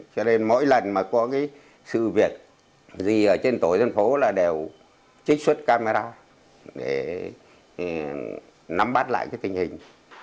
cho nên mỗi lần mà có cái sự việc gì ở trên tổ dân phố là đều trích xuất camera để nắm bắt lại cái tình hình